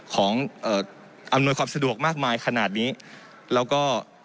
ของเอ่ออำนวยความสะดวกมากมายขนาดนี้แล้วก็